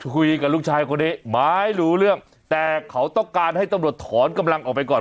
คุยกับลูกชายคนนี้ไม่รู้เรื่องแต่เขาต้องการให้ตำรวจถอนกำลังออกไปก่อน